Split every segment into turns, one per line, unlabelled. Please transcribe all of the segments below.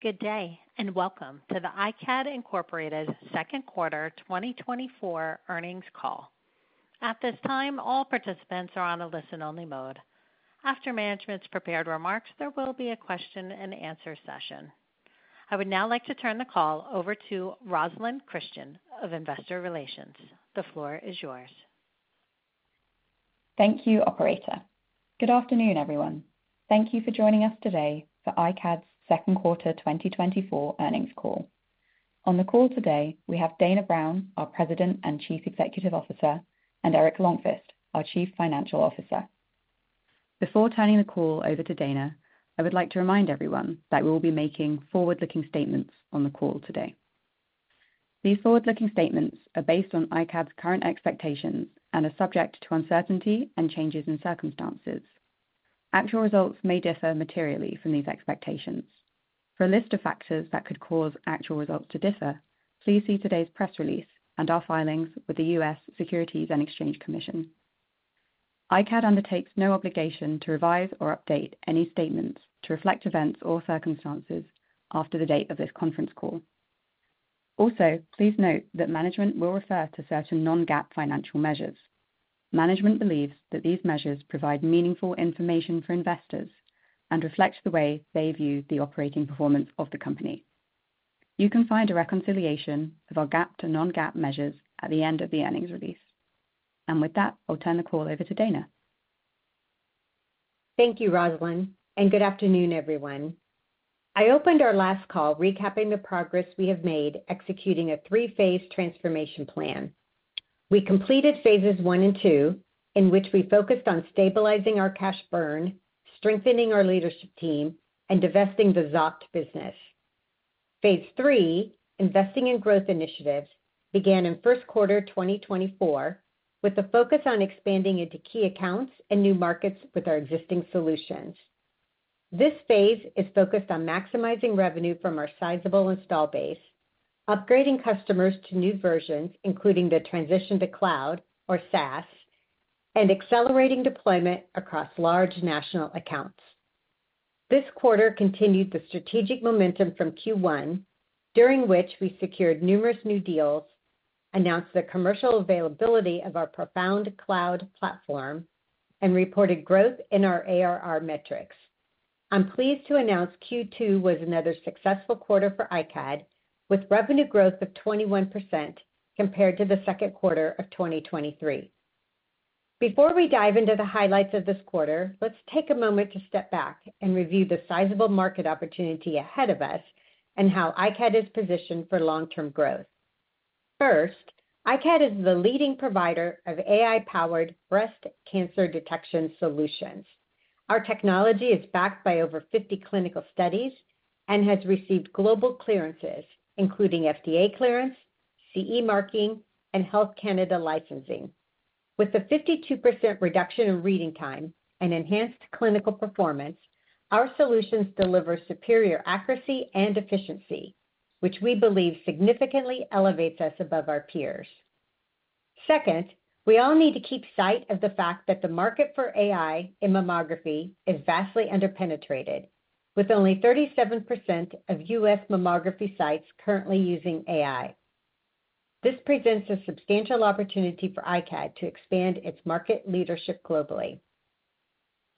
Good day, and welcome to the iCAD Incorporated second quarter 2024 earnings call. At this time, all participants are on a listen-only mode. After management's prepared remarks, there will be a question and answer session. I would now like to turn the call over to Rosalyn Christian of Investor Relations. The floor is yours.
Thank you, operator. Good afternoon, everyone. Thank you for joining us today for iCAD's second quarter 2024 earnings call. On the call today, we have Dana Brown, our President and Chief Executive Officer, and Eric Lonnqvist, our Chief Financial Officer. Before turning the call over to Dana, I would like to remind everyone that we will be making forward-looking statements on the call today. These forward-looking statements are based on iCAD's current expectations and are subject to uncertainty and changes in circumstances. Actual results may differ materially from these expectations. For a list of factors that could cause actual results to differ, please see today's press release and our filings with the U.S. Securities and Exchange Commission. iCAD undertakes no obligation to revise or update any statements to reflect events or circumstances after the date of this conference call. Also, please note that management will refer to certain non-GAAP financial measures. Management believes that these measures provide meaningful information for investors and reflects the way they view the operating performance of the company. You can find a reconciliation of our GAAP to non-GAAP measures at the end of the earnings release. With that, I'll turn the call over to Dana.
Thank you, Rosalind, and good afternoon, everyone. I opened our last call recapping the progress we have made executing a three-phase transformation plan. We completed Phases 1 and 2, in which we focused on stabilizing our cash burn, strengthening our leadership team, and divesting the Xoft business. Phase 3, investing in growth initiatives, began in first quarter 2024, with a focus on expanding into key accounts and new markets with our existing solutions. This phase is focused on maximizing revenue from our sizable install base, upgrading customers to new versions, including the transition to cloud or SaaS, and accelerating deployment across large national accounts. This quarter continued the strategic momentum from Q1, during which we secured numerous new deals, announced the commercial availability of our ProFound Cloud platform, and reported growth in our ARR metrics. I'm pleased to announce Q2 was another successful quarter for iCAD, with revenue growth of 21% compared to the second quarter of 2023. Before we dive into the highlights of this quarter, let's take a moment to step back and review the sizable market opportunity ahead of us and how iCAD is positioned for long-term growth. First, iCAD is the leading provider of AI-powered breast cancer detection solutions. Our technology is backed by over 50 clinical studies and has received global clearances, including FDA clearance, CE marking, and Health Canada licensing. With a 52% reduction in reading time and enhanced clinical performance, our solutions deliver superior accuracy and efficiency, which we believe significantly elevates us above our peers. Second, we all need to keep sight of the fact that the market for AI in mammography is vastly underpenetrated, with only 37% of U.S. mammography sites currently using AI. This presents a substantial opportunity for iCAD to expand its market leadership globally.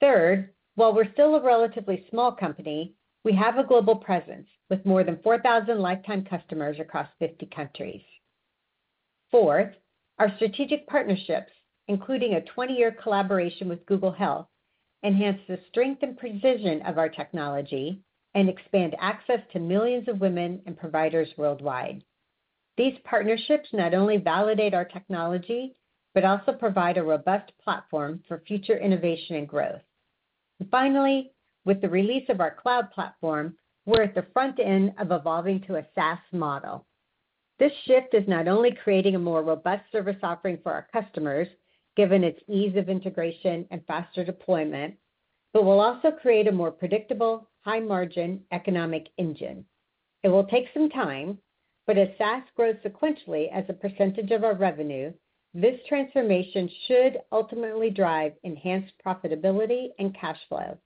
Third, while we're still a relatively small company, we have a global presence with more than 4,000 lifetime customers across 50 countries. Fourth, our strategic partnerships, including a 20-year collaboration with Google Health, enhance the strength and precision of our technology and expand access to millions of women and providers worldwide. These partnerships not only validate our technology, but also provide a robust platform for future innovation and growth. Finally, with the release of our cloud platform, we're at the front end of evolving to a SaaS model. This shift is not only creating a more robust service offering for our customers, given its ease of integration and faster deployment, but will also create a more predictable, high-margin economic engine. It will take some time, but as SaaS grows sequentially as a percentage of our revenue, this transformation should ultimately drive enhanced profitability and cash flow.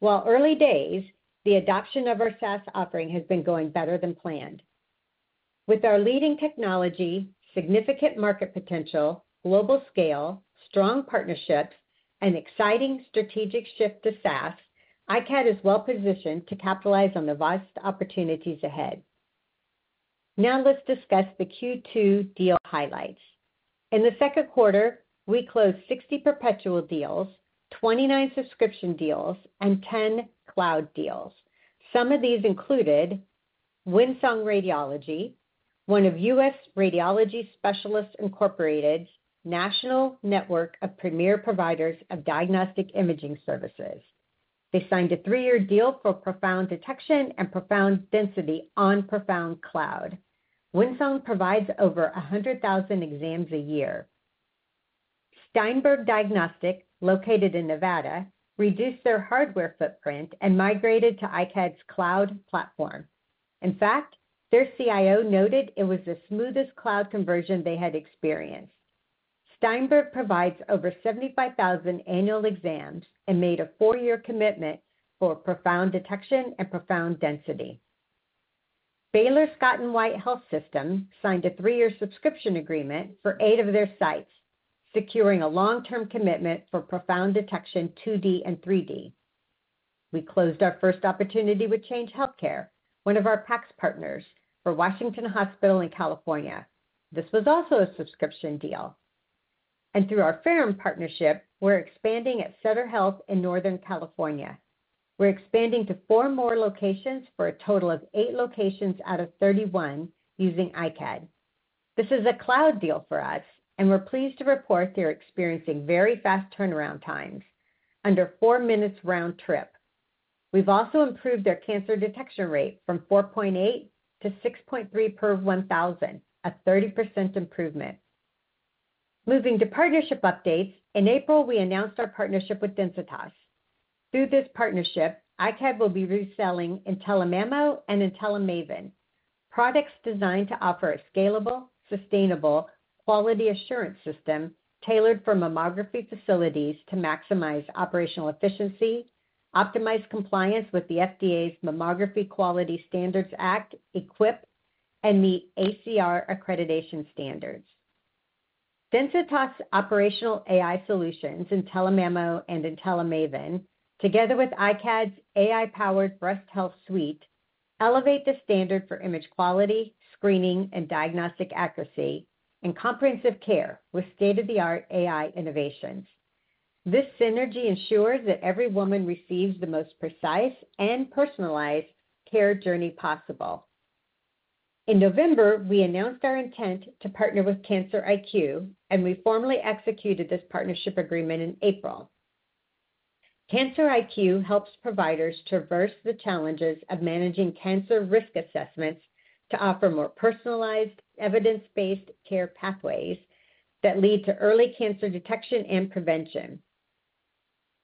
While early days, the adoption of our SaaS offering has been going better than planned. With our leading technology, significant market potential, global scale, strong partnerships, and exciting strategic shift to SaaS, iCAD is well positioned to capitalize on the vast opportunities ahead. Now let's discuss the Q2 deal highlights. In the second quarter, we closed 60 perpetual deals, 29 subscription deals, and 10 cloud deals. Some of these included Windsong Radiology, one of US Radiology Specialists, Inc.'s national network of premier providers of diagnostic imaging services. They signed a 3-year deal for ProFound Detection and ProFound Density on ProFound Cloud. Windsong provides over 100,000 exams a year. Steinberg Diagnostic, located in Nevada, reduced their hardware footprint and migrated to iCAD's cloud platform. In fact, their CIO noted it was the smoothest cloud conversion they had experienced.... Steinberg provides over 75,000 annual exams and made a 4-year commitment for ProFound Detection and ProFound Density. Baylor Scott & White Health signed a 3-year subscription agreement for 8 of their sites, securing a long-term commitment for ProFound Detection, 2D and 3D. We closed our first opportunity with Change Healthcare, one of our PACS partners, for Washington Hospital in California. This was also a subscription deal. And through our Ferrum partnership, we're expanding at Sutter Health in Northern California. We're expanding to 4 more locations for a total of 8 locations out of 31 using iCAD. This is a cloud deal for us, and we're pleased to report they're experiencing very fast turnaround times, under 4 minutes round trip. We've also improved their cancer detection rate from 4.8 to 6.3 per 1,000, a 30% improvement. Moving to partnership updates, in April, we announced our partnership with Densitas. Through this partnership, iCAD will be reselling intelliMammo and intelliMaven, products designed to offer a scalable, sustainable quality assurance system tailored for mammography facilities to maximize operational efficiency, optimize compliance with the FDA's Mammography Quality Standards Act, EQUIP, and meet ACR accreditation standards. Densitas' operational AI solutions, intelliMammo and intelliMaven, together with iCAD's AI-powered breast health suite, elevate the standard for image quality, screening, and diagnostic accuracy, and comprehensive care with state-of-the-art AI innovations. This synergy ensures that every woman receives the most precise and personalized care journey possible. In November, we announced our intent to partner with CancerIQ, and we formally executed this partnership agreement in April. CancerIQ helps providers traverse the challenges of managing cancer risk assessments to offer more personalized, evidence-based care pathways that lead to early cancer detection and prevention.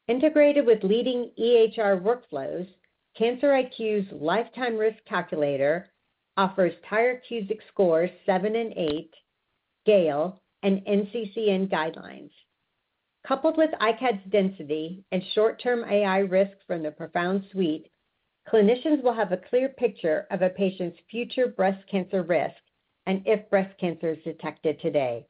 Integrated with leading EHR workflows, CancerIQ's lifetime risk calculator offers Tyrer-Cuzick scores seven and eight, Gail, and NCCN guidelines. Coupled with iCAD's density and short-term AI risk from the ProFound Suite, clinicians will have a clear picture of a patient's future breast cancer risk and if breast cancer is detected today.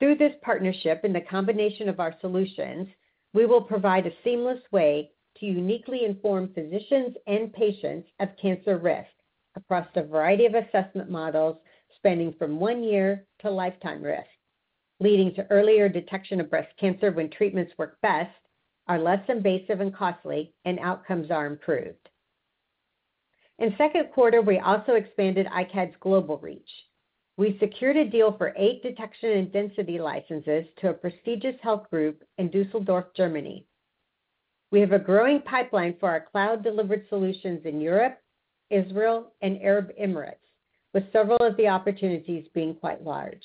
Through this partnership, in the combination of our solutions, we will provide a seamless way to uniquely inform physicians and patients of cancer risk across a variety of assessment models, spanning from 1 year to lifetime risk, leading to earlier detection of breast cancer when treatments work best, are less invasive and costly, and outcomes are improved. In second quarter, we also expanded iCAD's global reach. We secured a deal for 8 detection and density licenses to a prestigious health group in Dusseldorf, Germany. We have a growing pipeline for our cloud-delivered solutions in Europe, Israel, and Arab Emirates, with several of the opportunities being quite large.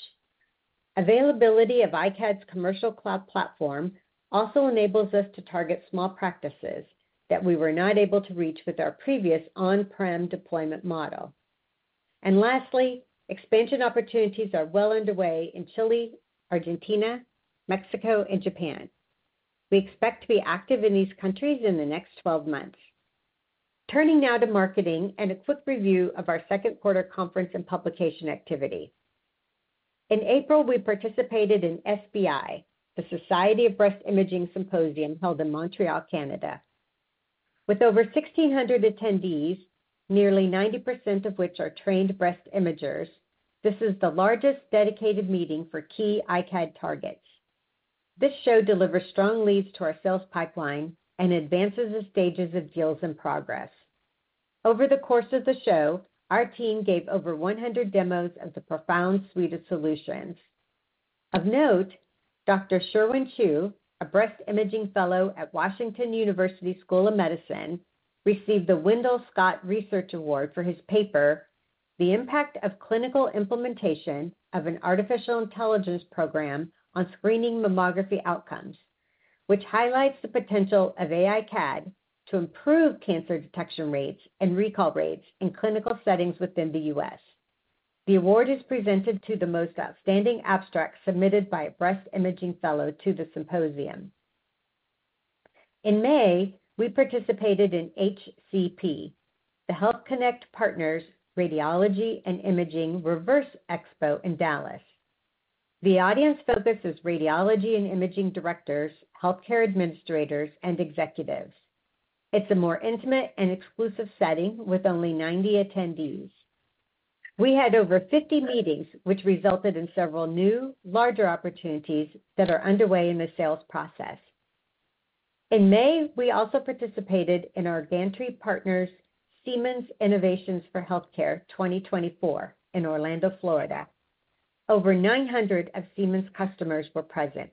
Availability of iCAD's commercial cloud platform also enables us to target small practices that we were not able to reach with our previous on-prem deployment model. And lastly, expansion opportunities are well underway in Chile, Argentina, Mexico, and Japan. We expect to be active in these countries in the next 12 months. Turning now to marketing and a quick review of our second quarter conference and publication activity. In April, we participated in SBI, the Society of Breast Imaging Symposium, held in Montreal, Canada. With over 1,600 attendees, nearly 90% of which are trained breast imagers, this is the largest dedicated meeting for key iCAD targets. This show delivers strong leads to our sales pipeline and advances the stages of deals in progress. Over the course of the show, our team gave over 100 demos of the ProFound suite of solutions. Of note, Dr. Sherwin Chiu, a breast imaging fellow at Washington University School of Medicine, received the Wendell Scott Research Award for his paper, "The Impact of Clinical Implementation of an Artificial Intelligence Program on Screening Mammography Outcomes," which highlights the potential of AI CAD to improve cancer detection rates and recall rates in clinical settings within the US. The award is presented to the most outstanding abstract submitted by a breast imaging fellow to the symposium. In May, we participated in HCP, the Health Connect Partners Radiology and Imaging Reverse Expo in Dallas. The audience focus is radiology and imaging directors, healthcare administrators, and executives. It's a more intimate and exclusive setting with only 90 attendees. We had over 50 meetings, which resulted in several new, larger opportunities that are underway in the sales process. In May, we also participated in our gantry partners, Siemens Innovations for Healthcare 2024 in Orlando, Florida. Over 900 of Siemens customers were present.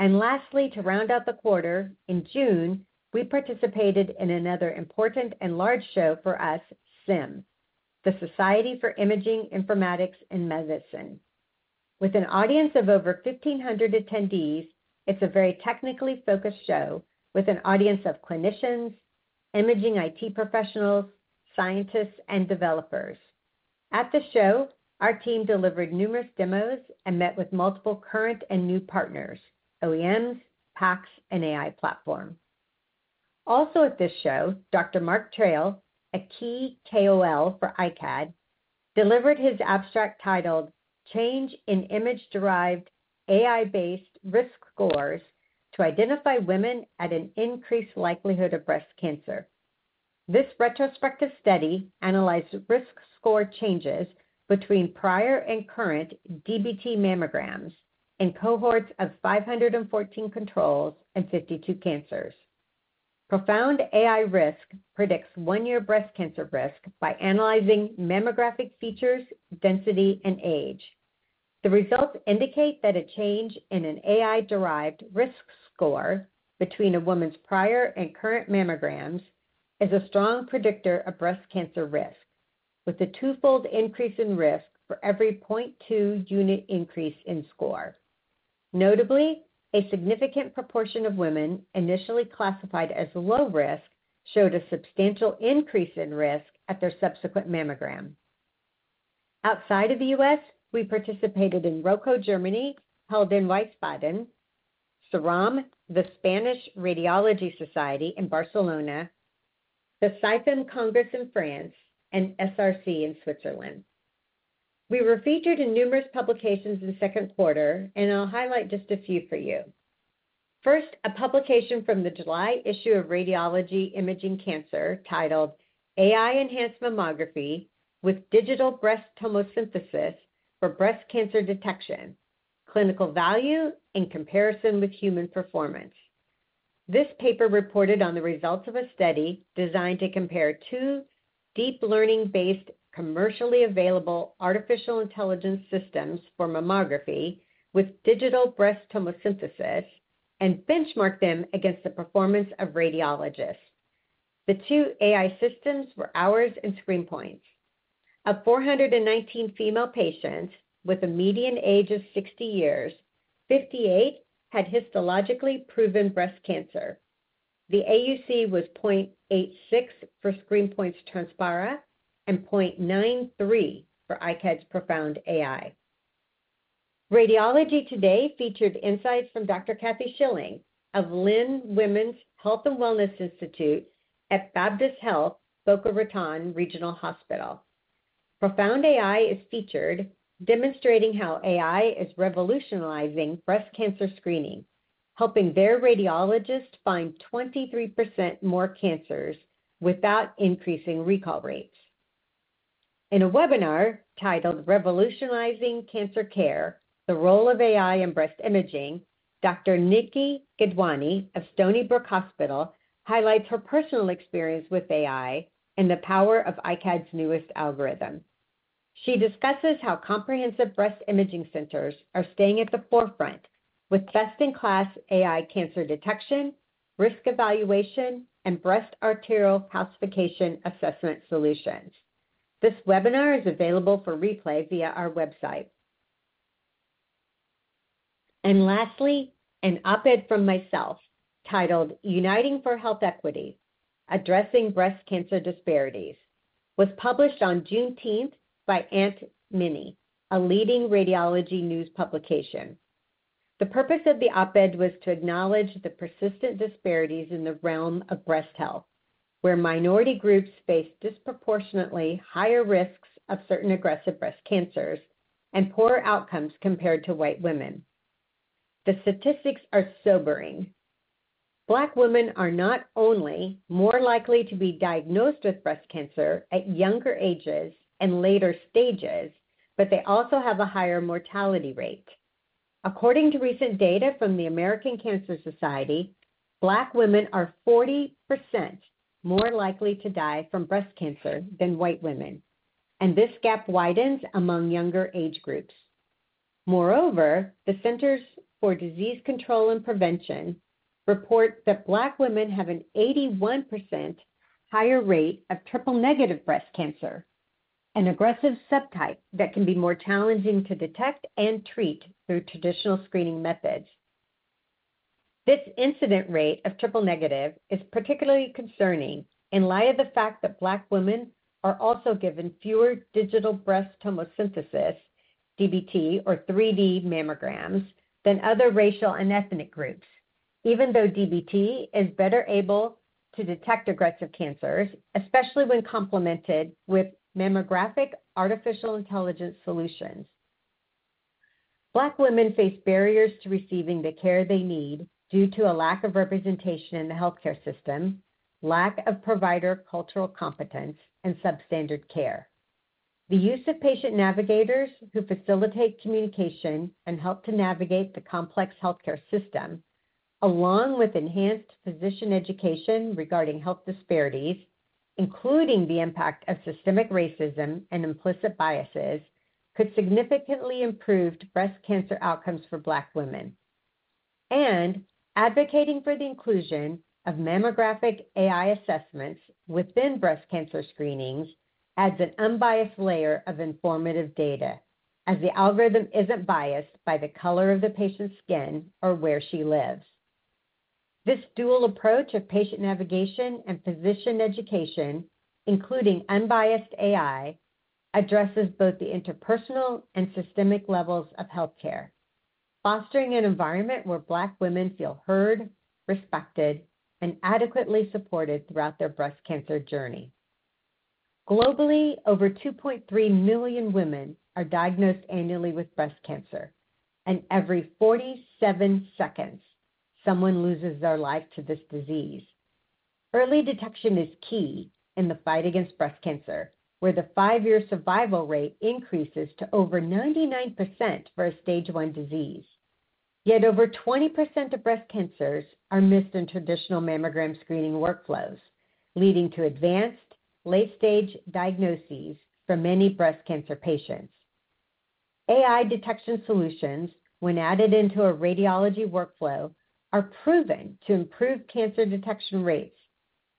Lastly, to round out the quarter, in June, we participated in another important and large show for us, SIIM, the Society for Imaging Informatics in Medicine. With an audience of over 1,500 attendees, it's a very technically focused show with an audience of clinicians, imaging IT professionals, scientists, and developers. At the show, our team delivered numerous demos and met with multiple current and new partners, OEMs, PACS, and AI platform. Also at this show, Dr. Mark Traill, a key KOL for iCAD, delivered his abstract titled Change in Image-Derived AI-Based Risk Scores to Identify Women at an Increased Likelihood of Breast Cancer. This retrospective study analyzed risk score changes between prior and current DBT mammograms in cohorts of 514 controls and 52 cancers. ProFound AI Risk predicts 1-year breast cancer risk by analyzing mammographic features, density, and age. The results indicate that a change in an AI-derived risk score between a woman's prior and current mammograms is a strong predictor of breast cancer risk, with a twofold increase in risk for every 0.2-unit increase in score. Notably, a significant proportion of women initially classified as low risk showed a substantial increase in risk at their subsequent mammogram. Outside of the U.S., we participated in RöKo, Germany, held in Wiesbaden, SERAM, the Spanish Radiology Society in Barcelona, the SIFEM Congress in France, and SCR in Switzerland. We were featured in numerous publications in the second quarter, and I'll highlight just a few for you. First, a publication from the July issue of Radiology Imaging Cancer, titled AI-Enhanced Mammography with Digital Breast Tomosynthesis for Breast Cancer Detection: Clinical Value in Comparison with Human Performance. This paper reported on the results of a study designed to compare two deep learning-based, commercially available artificial intelligence systems for mammography with digital breast tomosynthesis and benchmark them against the performance of radiologists. The two AI systems were ours and ScreenPoint. Of 419 female patients with a median age of 60 years, 58 had histologically proven breast cancer. The AUC was 0.86 for ScreenPoint's Transpara and 0.93 for iCAD's ProFound AI. Radiology Today featured insights from Dr. Kathy Schilling of Christine E. Lynn Women’s Health & Wellness Institute at Baptist Health Boca Raton Regional Hospital. ProFound AI is featured demonstrating how AI is revolutionizing breast cancer screening, helping their radiologists find 23% more cancers without increasing recall rates. In a webinar titled Revolutionizing Cancer Care: The Role of AI in Breast Imaging, Dr. Nikki Gidwani of Stony Brook University Hospital highlights her personal experience with AI and the power of iCAD's newest algorithm. She discusses how comprehensive breast imaging centers are staying at the forefront with best-in-class AI cancer detection, risk evaluation, and breast arterial calcification assessment solutions. This webinar is available for replay via our website. Lastly, an op-ed from myself titled Uniting for Health Equity: Addressing Breast Cancer Disparities, was published on Juneteenth by AuntMinnie, a leading radiology news publication. The purpose of the op-ed was to acknowledge the persistent disparities in the realm of breast health, where minority groups face disproportionately higher risks of certain aggressive breast cancers and poorer outcomes compared to white women. The statistics are sobering. Black women are not only more likely to be diagnosed with breast cancer at younger ages and later stages, but they also have a higher mortality rate. According to recent data from the American Cancer Society, Black women are 40% more likely to die from breast cancer than white women, and this gap widens among younger age groups. Moreover, the Centers for Disease Control and Prevention report that Black women have an 81% higher rate of triple-negative breast cancer, an aggressive subtype that can be more challenging to detect and treat through traditional screening methods. This incidence rate of triple-negative is particularly concerning in light of the fact that Black women are also given fewer digital breast tomosynthesis, DBT or 3D mammograms, than other racial and ethnic groups, even though DBT is better able to detect aggressive cancers, especially when complemented with mammographic artificial intelligence solutions. Black women face barriers to receiving the care they need due to a lack of representation in the healthcare system, lack of provider cultural competence, and substandard care. The use of patient navigators who facilitate communication and help to navigate the complex healthcare system, along with enhanced physician education regarding health disparities, including the impact of systemic racism and implicit biases, could significantly improve breast cancer outcomes for Black women. Advocating for the inclusion of mammographic AI assessments within breast cancer screenings adds an unbiased layer of informative data. As the algorithm isn't biased by the color of the patient's skin or where she lives. This dual approach of patient navigation and physician education, including unbiased AI, addresses both the interpersonal and systemic levels of healthcare, fostering an environment where Black women feel heard, respected, and adequately supported throughout their breast cancer journey. Globally, over 2.3 million women are diagnosed annually with breast cancer, and every 47 seconds, someone loses their life to this disease. Early detection is key in the fight against breast cancer, where the five-year survival rate increases to over 99% for a Stage I disease. Yet over 20% of breast cancers are missed in traditional mammogram screening workflows, leading to advanced, late-stage diagnoses for many breast cancer patients. AI detection solutions, when added into a radiology workflow, are proven to improve cancer detection rates,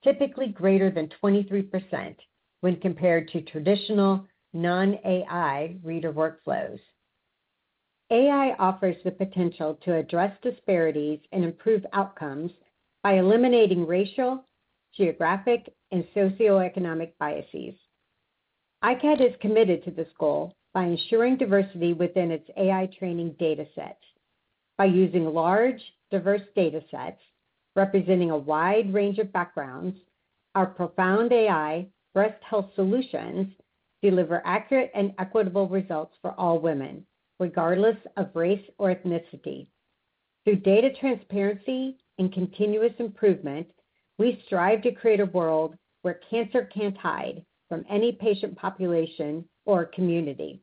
typically greater than 23% when compared to traditional non-AI reader workflows. AI offers the potential to address disparities and improve outcomes by eliminating racial, geographic, and socioeconomic biases. iCAD is committed to this goal by ensuring diversity within its AI training dataset. By using large, diverse datasets, representing a wide range of backgrounds, our ProFound AI breast health solutions deliver accurate and equitable results for all women, regardless of race or ethnicity. Through data transparency and continuous improvement, we strive to create a world where cancer can't hide from any patient population or community.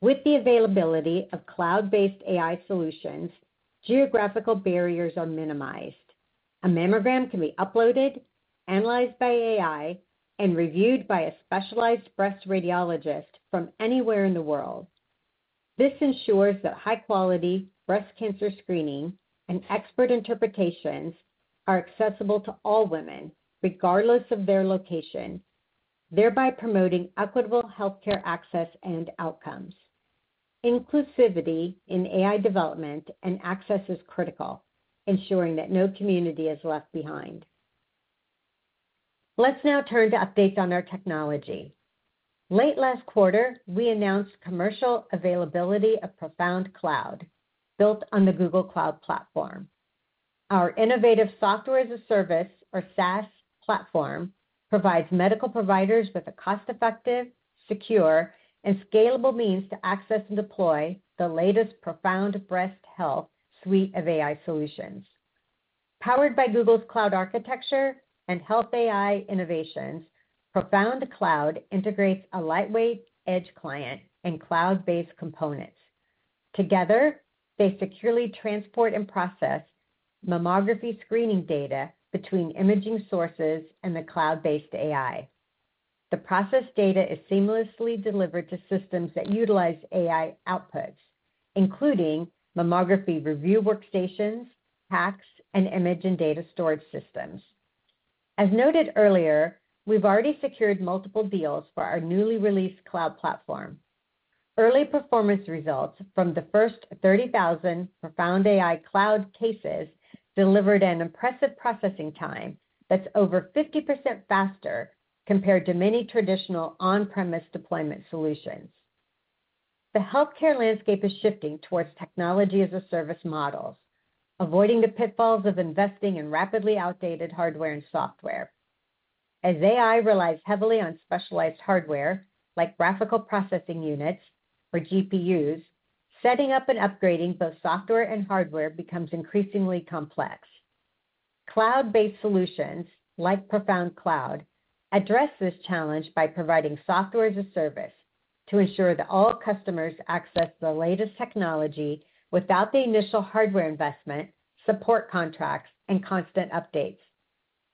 With the availability of cloud-based AI solutions, geographical barriers are minimized. A mammogram can be uploaded, analyzed by AI, and reviewed by a specialized breast radiologist from anywhere in the world. This ensures that high-quality breast cancer screening and expert interpretations are accessible to all women, regardless of their location, thereby promoting equitable healthcare access and outcomes. Inclusivity in AI development and access is critical, ensuring that no community is left behind. Let's now turn to updates on our technology. Late last quarter, we announced commercial availability of ProFound Cloud, built on the Google Cloud Platform. Our innovative software as a service, or SaaS, platform provides medical providers with a cost-effective, secure, and scalable means to access and deploy the latest ProFound Breast Health Suite of AI solutions. Powered by Google's Cloud architecture and health AI innovations, ProFound Cloud integrates a lightweight edge client and cloud-based components. Together, they securely transport and process mammography screening data between imaging sources and the cloud-based AI. The process data is seamlessly delivered to systems that utilize AI outputs, including mammography review workstations, PACS, and image and data storage systems. As noted earlier, we've already secured multiple deals for our newly released cloud platform. Early performance results from the first 30,000 ProFound AI cloud cases delivered an impressive processing time that's over 50% faster compared to many traditional on-premise deployment solutions. The healthcare landscape is shifting towards technology as a service model, avoiding the pitfalls of investing in rapidly outdated hardware and software. As AI relies heavily on specialized hardware, like graphical processing units or GPUs, setting up and upgrading both software and hardware becomes increasingly complex. Cloud-based solutions, like ProFound Cloud, address this challenge by providing software as a service to ensure that all customers access the latest technology without the initial hardware investment, support contracts, and constant updates.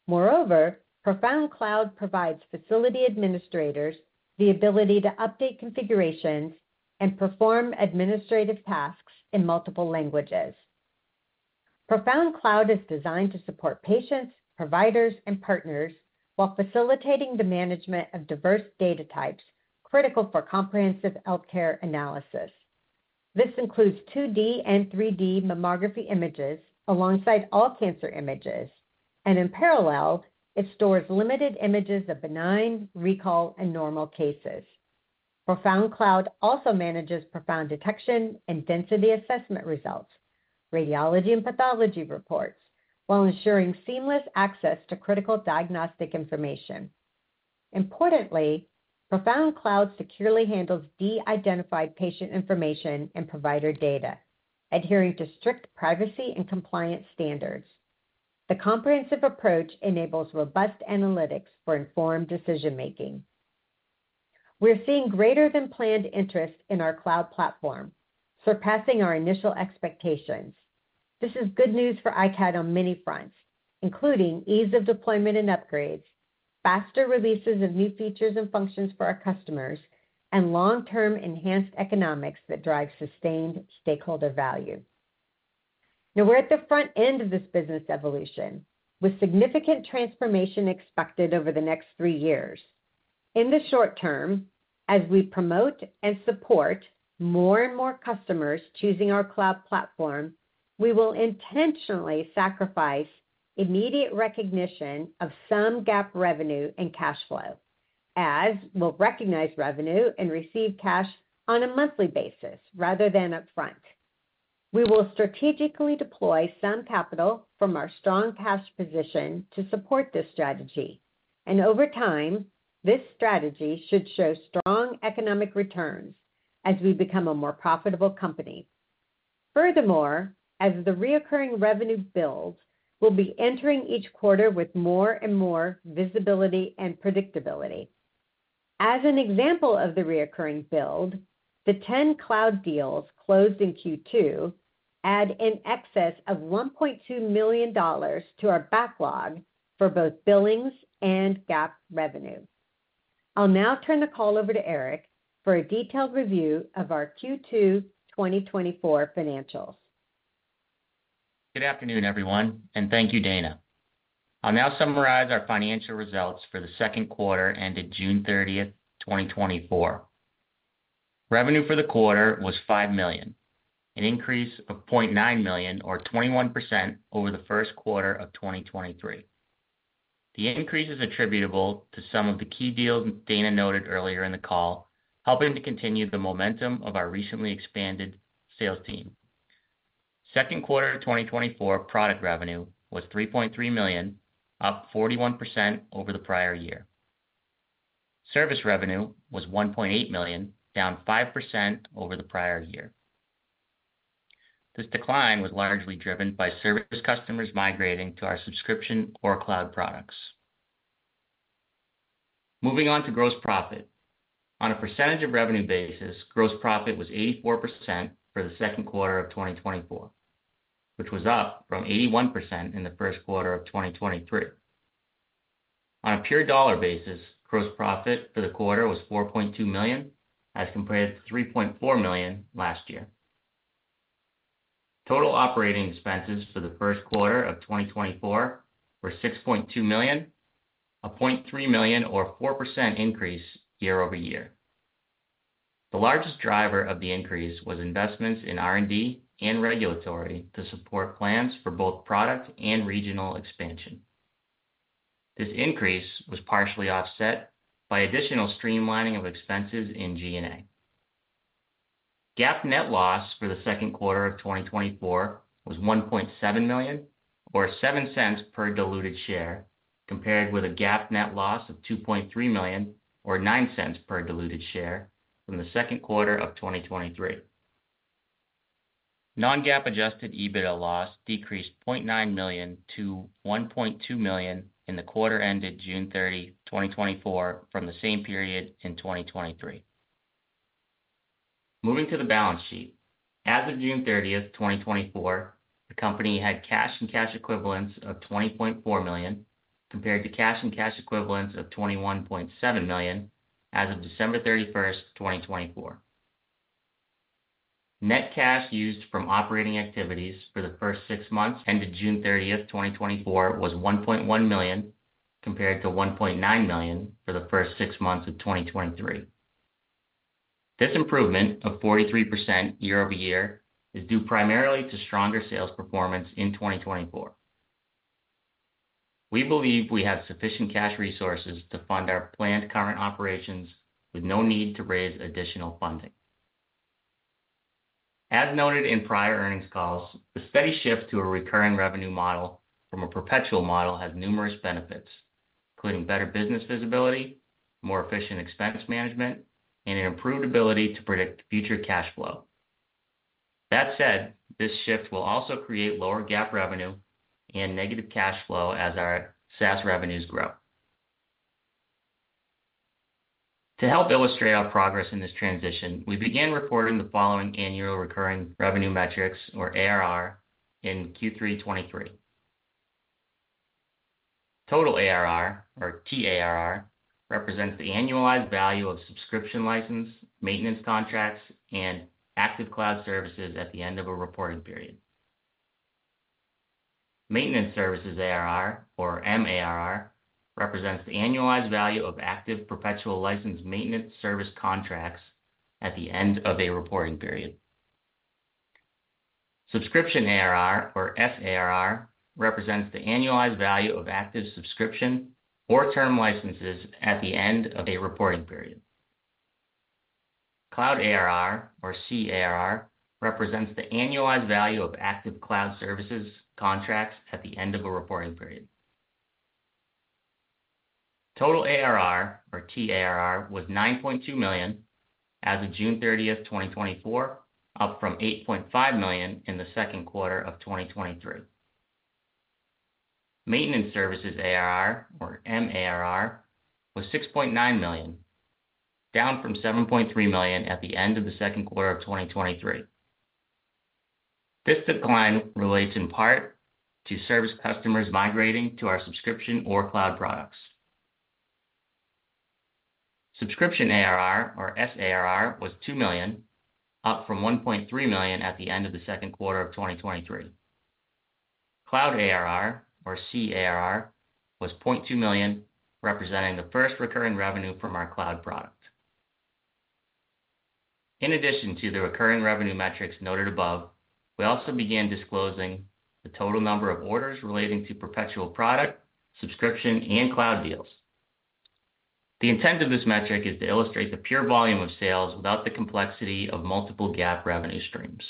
Moreover, ProFound Cloud provides facility administrators the ability to update configurations and perform administrative tasks in multiple languages. ProFound Cloud is designed to support patients, providers, and partners while facilitating the management of diverse data types critical for comprehensive healthcare analysis. This includes 2D and 3D mammography images alongside all cancer images, and in parallel, it stores limited images of benign, recall, and normal cases. ProFound Cloud also manages ProFound Detection and density assessment results, radiology and pathology reports, while ensuring seamless access to critical diagnostic information. Importantly, ProFound Cloud securely handles de-identified patient information and provider data, adhering to strict privacy and compliance standards. The comprehensive approach enables robust analytics for informed decision-making. We're seeing greater than planned interest in our cloud platform, surpassing our initial expectations. This is good news for iCAD on many fronts, including ease of deployment and upgrades, faster releases of new features and functions for our customers, and long-term enhanced economics that drive sustained stakeholder value. Now, we're at the front end of this business evolution, with significant transformation expected over the next three years. In the short term, as we promote and support more and more customers choosing our cloud platform, we will intentionally sacrifice immediate recognition of some GAAP revenue and cash flow, as we'll recognize revenue and receive cash on a monthly basis rather than upfront. We will strategically deploy some capital from our strong cash position to support this strategy, and over time, this strategy should show strong economic returns as we become a more profitable company. Furthermore, as the recurring revenue builds, we'll be entering each quarter with more and more visibility and predictability. As an example of the recurring build, the 10 cloud deals closed in Q2 add in excess of $1.2 million to our backlog for both billings and GAAP revenue. I'll now turn the call over to Eric for a detailed review of our Q2 2024 financials.
Good afternoon, everyone, and thank you, Dana. I'll now summarize our financial results for the second quarter ended June 30, 2024. Revenue for the quarter was $5 million, an increase of $0.9 million or 21% over the first quarter of 2023. The increase is attributable to some of the key deals Dana noted earlier in the call, helping to continue the momentum of our recently expanded sales team. Second quarter of 2024, product revenue was $3.3 million, up 41% over the prior year. Service revenue was $1.8 million, down 5% over the prior year. This decline was largely driven by service customers migrating to our subscription or cloud products. Moving on to gross profit. On a percentage of revenue basis, gross profit was 84% for the second quarter of 2024, which was up from 81% in the first quarter of 2023. On a pure dollar basis, gross profit for the quarter was $4.2 million, as compared to $3.4 million last year. Total operating expenses for the first quarter of 2024 were $6.2 million, a $0.3 million or 4% increase year-over-year. The largest driver of the increase was investments in R&D and regulatory to support plans for both product and regional expansion. This increase was partially offset by additional streamlining of expenses in G&A. GAAP net loss for the second quarter of 2024 was $1.7 million, or $0.07 per diluted share, compared with a GAAP net loss of $2.3 million, or $0.09 per diluted share from the second quarter of 2023. Non-GAAP adjusted EBITDA loss decreased $0.9 million to $1.2 million in the quarter ended June 30, 2024, from the same period in 2023. Moving to the balance sheet. As of June 30, 2024, the company had cash and cash equivalents of $20.4 million, compared to cash and cash equivalents of $21.7 million as of December 31st, 2024. Net cash used from operating activities for the first six months ended June 30, 2024, was $1.1 million, compared to $1.9 million for the first six months of 2023. This improvement of 43% year-over-year is due primarily to stronger sales performance in 2024. We believe we have sufficient cash resources to fund our planned current operations with no need to raise additional funding. As noted in prior earnings calls, the steady shift to a recurring revenue model from a perpetual model has numerous benefits, including better business visibility, more efficient expense management, and an improved ability to predict future cash flow. That said, this shift will also create lower GAAP revenue and negative cash flow as our SaaS revenues grow. To help illustrate our progress in this transition, we began reporting the following annual recurring revenue metrics, or ARR, in Q3 2023. Total ARR, or TARR, represents the annualized value of subscription license, maintenance contracts, and active cloud services at the end of a reporting period. Maintenance services ARR, or MARR, represents the annualized value of active perpetual license maintenance service contracts at the end of a reporting period. Subscription ARR, or SARR, represents the annualized value of active subscription or term licenses at the end of a reporting period. Cloud ARR, or CARR, represents the annualized value of active cloud services contracts at the end of a reporting period. Total ARR, or TARR, was $9.2 million as of June 30th, 2024, up from $8.5 million in the second quarter of 2023. Maintenance services ARR, or MARR, was $6.9 million, down from $7.3 million at the end of the second quarter of 2023. This decline relates in part to service customers migrating to our subscription or cloud products.... Subscription ARR, or SARR, was $2 million, up from $1.3 million at the end of the second quarter of 2023. Cloud ARR, or CARR, was $0.2 million, representing the first recurring revenue from our cloud product. In addition to the recurring revenue metrics noted above, we also began disclosing the total number of orders relating to perpetual product, subscription, and cloud deals. The intent of this metric is to illustrate the pure volume of sales without the complexity of multiple GAAP revenue streams.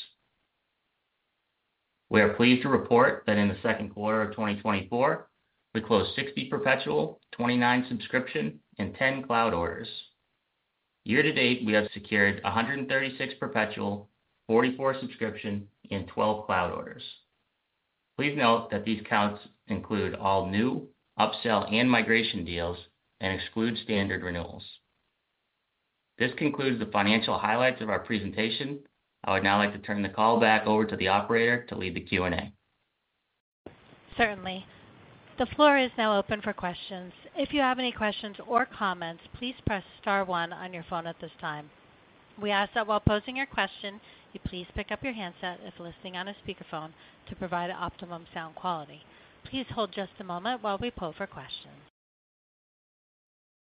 We are pleased to report that in the second quarter of 2024, we closed 60 perpetual, 29 subscription, and 10 cloud orders. Year-to-date, we have secured 136 perpetual, 44 subscription, and 12 cloud orders. Please note that these counts include all new upsell and migration deals and exclude standard renewals. This concludes the financial highlights of our presentation. I would now like to turn the call back over to the operator to lead the Q&A.
Certainly. The floor is now open for questions. If you have any questions or comments, please press star one on your phone at this time. We ask that while posing your question, you please pick up your handset, if listening on a speakerphone, to provide optimum sound quality. Please hold just a moment while we pull for questions.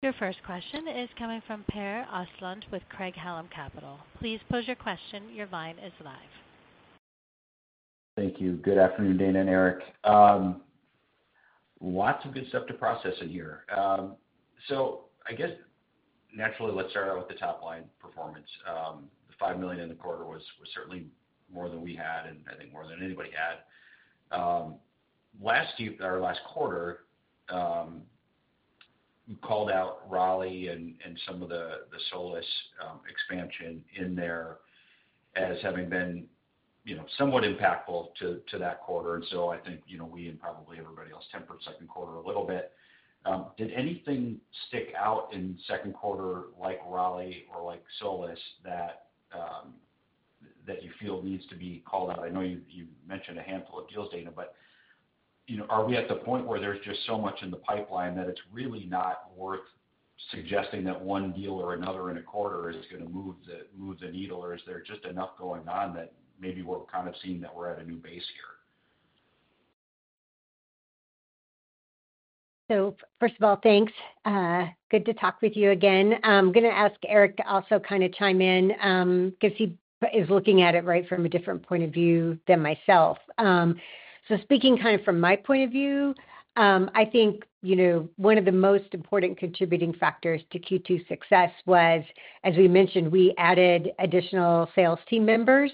Your first question is coming from Per Ostlund with Craig-Hallum Capital. Please pose your question. Your line is live.
Thank you. Good afternoon, Dana and Eric. Lots of good stuff to process in here. So I guess, naturally, let's start out with the top-line performance. The $5 million in the quarter was, was certainly more than we had, and I think more than anybody had. Last year- or last quarter, you called out Raleigh and, and some of the, the Solis, expansion in there as having been, you know, somewhat impactful to, to that quarter. So I think, you know, we and probably everybody else, tempered second quarter a little bit. Did anything stick out in second quarter like Raleigh or like Solis, that, that you feel needs to be called out? I know you, you mentioned a handful of deals, Dana, but, you know, are we at the point where there's just so much in the pipeline that it's really not worth suggesting that one deal or another in a quarter is gonna move the, move the needle, or is there just enough going on that maybe we're kind of seeing that we're at a new base here?
So first of all, thanks. Good to talk with you again. I'm gonna ask Eric to also kind of chime in, because he is looking at it, right, from a different point of view than myself. So speaking kind of from my point of view, I think, you know, one of the most important contributing factors to Q2 success was, as we mentioned, we added additional sales team members.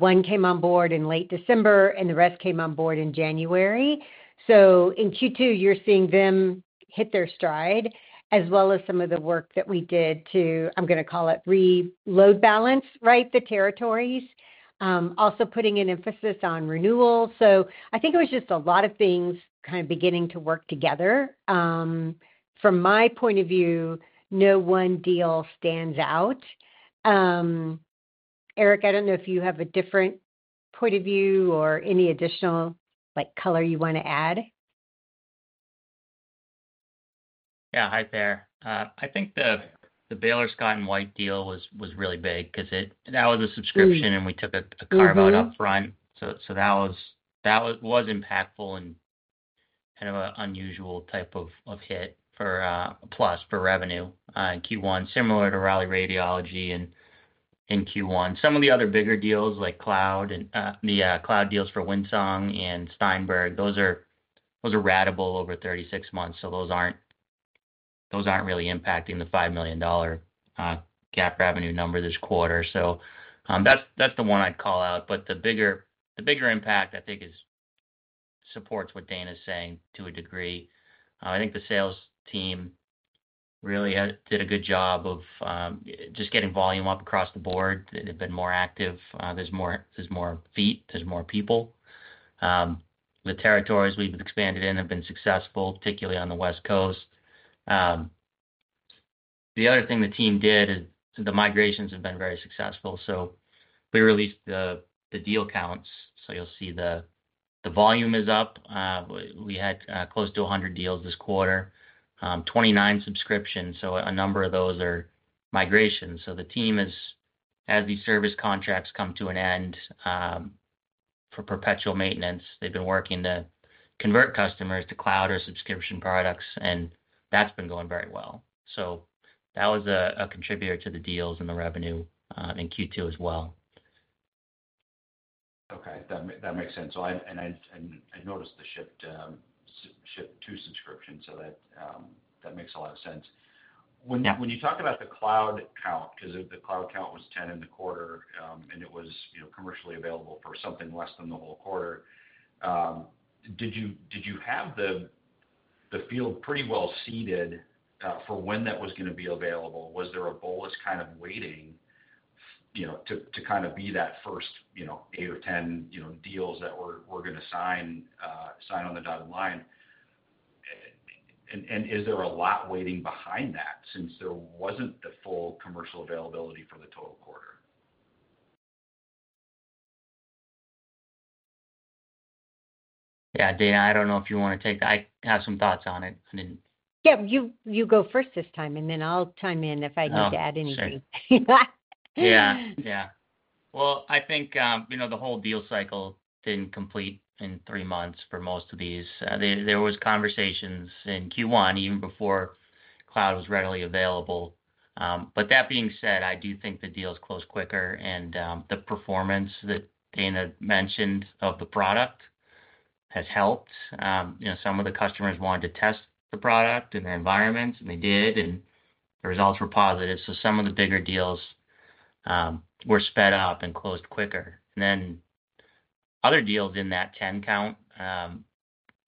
One came on board in late December, and the rest came on board in January. So in Q2, you're seeing them hit their stride, as well as some of the work that we did to, I'm gonna call it rebalance, right, the territories. Also putting an emphasis on renewal. So I think it was just a lot of things kind of beginning to work together. From my point of view, no one deal stands out. Eric, I don't know if you have a different point of view or any additional, like, color you wanna add?
Yeah. Hi there. I think the Baylor Scott & White deal was really big because it... That was a subscription, and we took a carve-out upfront. So that was impactful and kind of an unusual type of hit for plus for revenue in Q1, similar to Raleigh Radiology in Q1. Some of the other bigger deals like Cloud and the cloud deals for Windsong and Steinberg, those are ratable over 36 months, so those aren't really impacting the $5 million GAAP revenue number this quarter. So that's the one I'd call out. But the bigger impact, I think, is supports what Dana's saying to a degree. I think the sales team really did a good job of just getting volume up across the board. They've been more active. There's more feet, there's more people. The territories we've expanded in have been successful, particularly on the West Coast. The other thing the team did is the migrations have been very successful, so we released the deal counts. So you'll see the volume is up. We had close to 100 deals this quarter, 29 subscriptions, so a number of those are migrations. So the team is... As these service contracts come to an end, for perpetual maintenance, they've been working to convert customers to cloud or subscription products, and that's been going very well. So that was a contributor to the deals and the revenue in Q2 as well.
Okay, that makes sense. So I noticed the shift to subscription, so that makes a lot of sense. When you talk about the cloud count, because the cloud count was 10 in the quarter, and it was, you know, commercially available for something less than the whole quarter, did you have the field pretty well seeded for when that was gonna be available? Was there a bolus kind of waiting, you know, to kind of be that first, you know, 8 or 10, you know, deals that were gonna sign on the dotted line? And is there a lot waiting behind that, since there wasn't the full commercial availability for the total quarter? ...
Yeah, Dana, I don't know if you wanna take that. I have some thoughts on it. I didn't-
Yeah, you go first this time, and then I'll chime in if I need to add anything.
Yeah. Yeah. Well, I think, you know, the whole deal cycle didn't complete in 3 months for most of these. There were conversations in Q1, even before cloud was readily available. But that being said, I do think the deals closed quicker, and the performance that Dana mentioned of the product has helped. You know, some of the customers wanted to test the product and the environments, and they did, and the results were positive. So some of the bigger deals were sped up and closed quicker. And then other deals in that 10 count,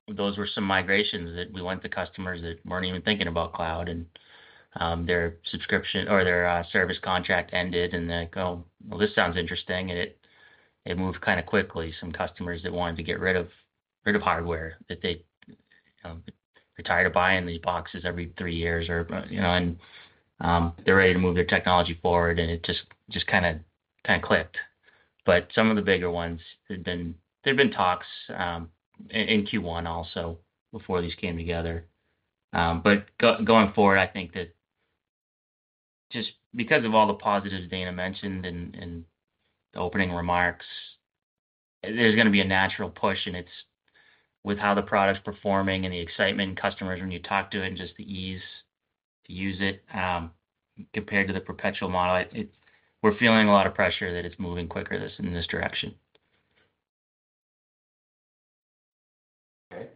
those were some migrations that we went to customers that weren't even thinking about cloud, and their subscription or their service contract ended, and they go, well, this sounds interesting, and it moved kinda quickly. Some customers that wanted to get rid of hardware, that they, they're tired of buying these boxes every three years or, you know, and, they're ready to move their technology forward, and it just kinda clicked. But some of the bigger ones had been... There've been talks in Q1 also, before these came together. But going forward, I think that just because of all the positives Dana mentioned in the opening remarks, there's gonna be a natural push, and it's with how the product's performing and the excitement customers, when you talk to it, and just the ease to use it, compared to the perpetual model. We're feeling a lot of pressure that it's moving quicker in this direction.
Okay.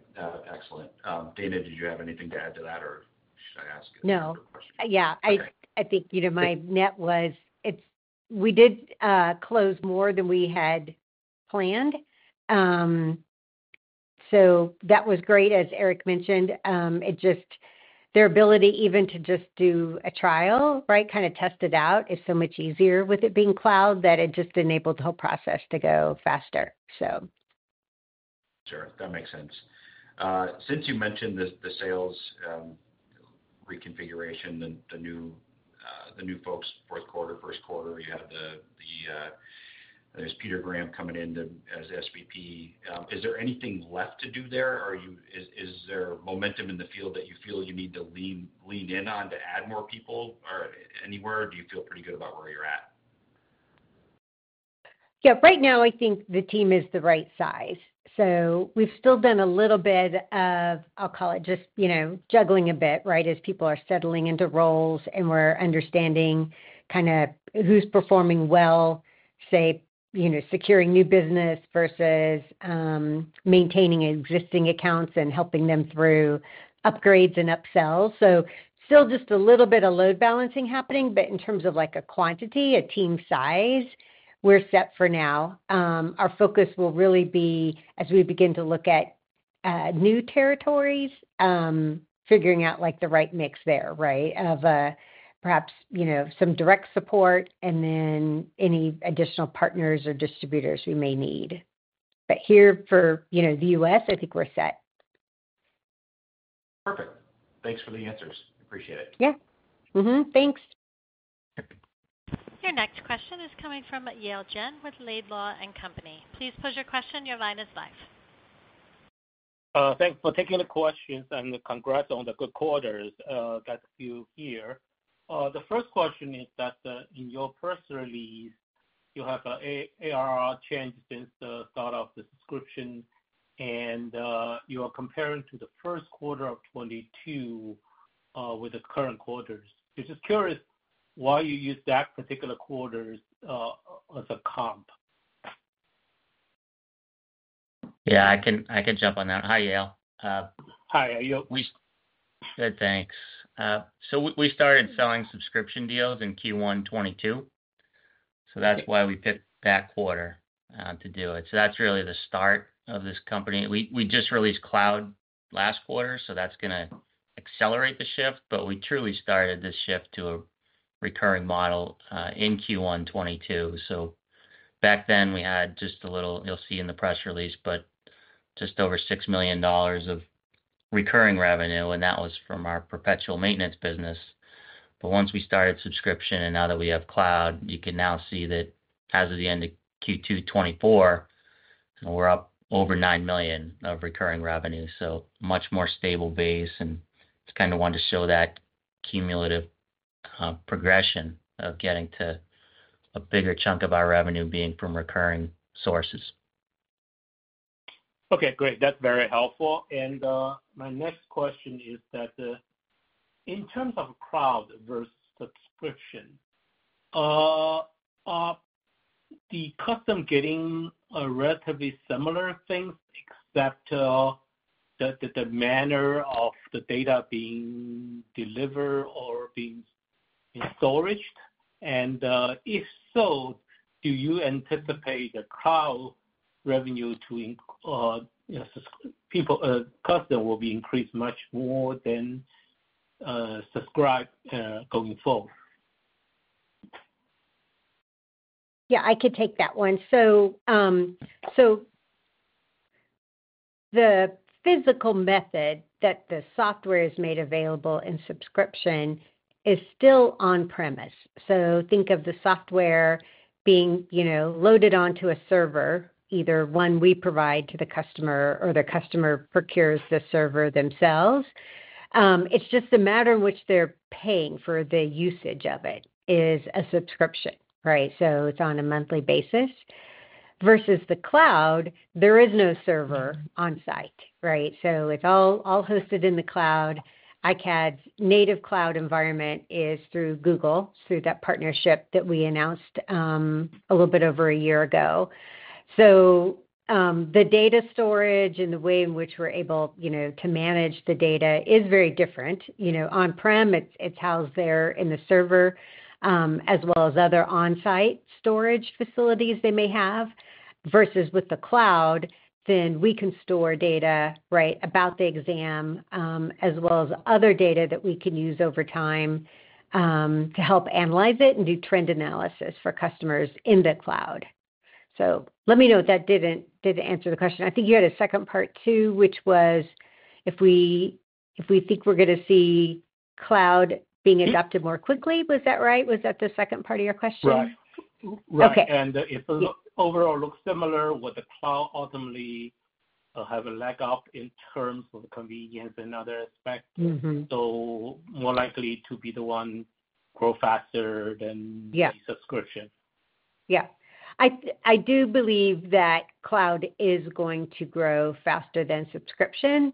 Excellent. Dana, did you have anything to add to that, or should I ask a different question?
No. Yeah. I think, you know, my net was, we did close more than we had planned. So that was great. As Eric mentioned, it just, their ability even to just do a trial, right? Kinda test it out, is so much easier with it being cloud, that it just enabled the whole process to go faster, so.
Sure. That makes sense. Since you mentioned the sales reconfiguration, the new folks fourth quarter, first quarter, you had, there's Peter Graham coming in to as SVP, is there anything left to do there? Are you- is there momentum in the field that you feel you need to lean in on to add more people or anywhere? Do you feel pretty good about where you're at?
Yeah. Right now, I think the team is the right size. So we've still done a little bit of, I'll call it just, you know, juggling a bit, right? As people are settling into roles, and we're understanding kinda who's performing well, say, you know, securing new business versus, maintaining existing accounts and helping them through upgrades and upsells. So still just a little bit of load balancing happening, but in terms of, like, a quantity, a team size, we're set for now. Our focus will really be, as we begin to look at, new territories, figuring out, like, the right mix there, right? Of, perhaps, you know, some direct support and then any additional partners or distributors we may need. But here for, you know, the U.S., I think we're set.
Perfect. Thanks for the answers. Appreciate it.
Yeah. Mm-hmm, thanks.
Your next question is coming from Yale Jen with Laidlaw & Company. Please pose your question. Your line is live.
Thanks for taking the questions, and congrats on the good quarters that you hear. The first question is that in your press release, you have a ARR change since the start of the subscription, and you are comparing to the first quarter of 2022 with the current quarters. Just curious why you use that particular quarter as a comp?
Yeah, I can, I can jump on that. Hi, Yale.
Hi, Eric.
Good, thanks. So we, we started selling subscription deals in Q1 2022, so that's why we picked that quarter, to do it. So that's really the start of this company. We, we just released cloud last quarter, so that's gonna accelerate the shift, but we truly started this shift to a recurring model, in Q1 2022. So back then, we had just a little, you'll see in the press release, but just over $6 million of recurring revenue, and that was from our perpetual maintenance business. But once we started subscription and now that we have cloud, you can now see that as of the end of Q2 2024, we're up over $9 million of recurring revenue, so much more stable base, and just kinda wanted to show that cumulative, progression of getting to a bigger chunk of our revenue being from recurring sources.
Okay, great. That's very helpful. And, my next question is that, in terms of cloud versus subscription, are the customer getting a relatively similar things, except, the manner of the data being delivered or being in storage? And, if so, do you anticipate the cloud revenue to inc- you know, sus- people, customer will be increased much more than, subscribe, going forward?
Yeah, I could take that one. So, so the physical method that the software is made available in subscription is still on premise. So think of the software being, you know, loaded onto a server, either one we provide to the customer or the customer procures the server themselves. It's just the matter in which they're paying for the usage of it is a subscription, right? So it's on a monthly basis. Versus the cloud, there is no server on-site, right? So it's all, all hosted in the cloud. iCAD's native cloud environment is through Google, through that partnership that we announced, a little bit over a year ago. So, the data storage and the way in which we're able, you know, to manage the data is very different. You know, on-prem, it's housed there in the server, as well as other on-site storage facilities they may have. Versus with the cloud, then we can store data, right, about the exam, as well as other data that we can use over time, to help analyze it and do trend analysis for customers in the cloud. So let me know if that didn't answer the question. I think you had a second part, too, which was, if we think we're gonna see cloud being adopted more quickly. Was that right? Was that the second part of your question?
Right. Right, and if it overall looks similar with the cloud, ultimately have a lag off in terms of the convenience and other aspects.
Mm-hmm.
So more likely to be the one grow faster than-
Yeah.
-the subscription.
Yeah. I do believe that cloud is going to grow faster than subscription.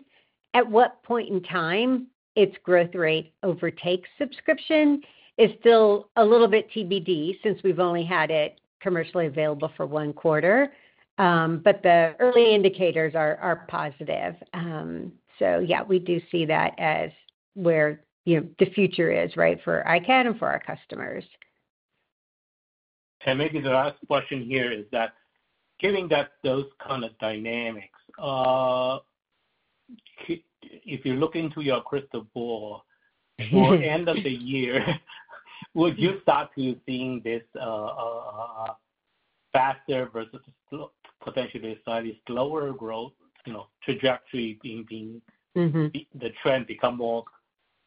At what point in time its growth rate overtakes subscription is still a little bit TBD, since we've only had it commercially available for one quarter. But the early indicators are positive. So yeah, we do see that as where, you know, the future is, right, for iCAD and for our customers.
Maybe the last question here is that, given that those kind of dynamics, if you look into your crystal ball for end of the year, would you start to seeing this, faster versus potentially slightly slower growth, you know, trajectory being
Mm-hmm.
-the trend become more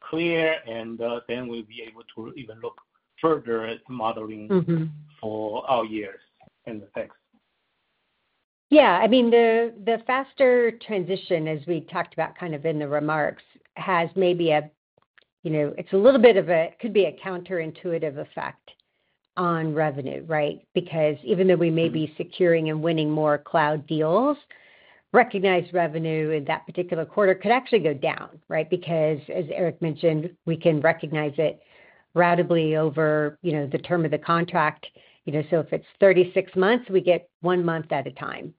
clear, and, then we'll be able to even look further at modeling-
Mm-hmm
for out years and the effects?
Yeah. I mean, the faster transition, as we talked about kind of in the remarks, has maybe a, you know, it's a little bit of a... Could be a counterintuitive effect on revenue, right? Because even though we may be securing and winning more cloud deals, recognized revenue in that particular quarter could actually go down, right? Because, as Eric mentioned, we can recognize it ratably over, you know, the term of the contract. You know, so if it's 36 months, we get one month at a time.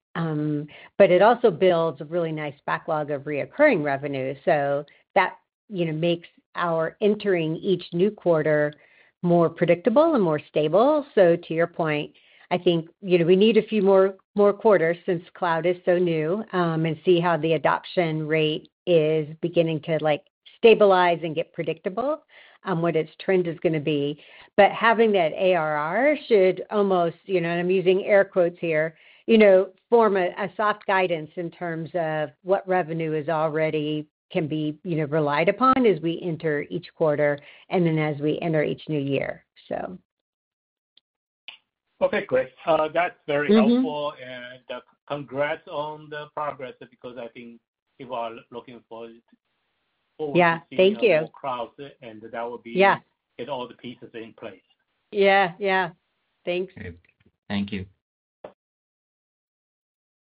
But it also builds a really nice backlog of recurring revenue. So that, you know, makes our entering each new quarter more predictable and more stable. So to your point, I think, you know, we need a few more quarters since cloud is so new, and see how the adoption rate is beginning to, like, stabilize and get predictable, what its trend is gonna be. But having that ARR should almost, you know, and I'm using air quotes here, you know, form a, a soft guidance in terms of what revenue is already can be, you know, relied upon as we enter each quarter and then as we enter each new year, so.
Okay, great. That's very helpful.
Mm-hmm.
Congrats on the progress, because I think people are looking forward to seeing-
Yeah. Thank you....
more clouds, and that will be-
Yeah
get all the pieces in place.
Yeah, yeah. Thanks.
Thank you.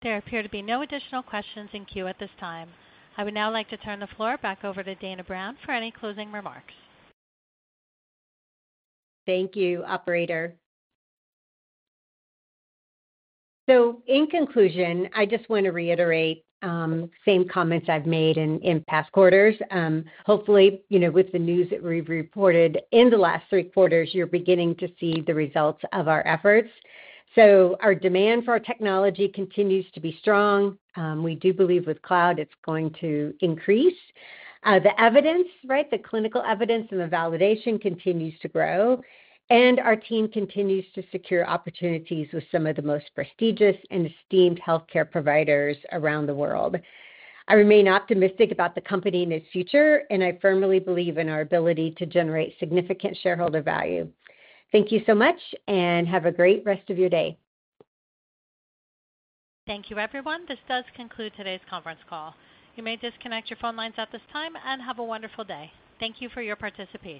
There appear to be no additional questions in queue at this time. I would now like to turn the floor back over to Dana Brown for any closing remarks.
Thank you, operator. So in conclusion, I just want to reiterate same comments I've made in past quarters. Hopefully, you know, with the news that we've reported in the last three quarters, you're beginning to see the results of our efforts. So our demand for our technology continues to be strong. We do believe with cloud, it's going to increase. The evidence, right, the clinical evidence and the validation continues to grow, and our team continues to secure opportunities with some of the most prestigious and esteemed healthcare providers around the world. I remain optimistic about the company and its future, and I firmly believe in our ability to generate significant shareholder value. Thank you so much, and have a great rest of your day.
Thank you, everyone. This does conclude today's conference call. You may disconnect your phone lines at this time and have a wonderful day. Thank you for your participation.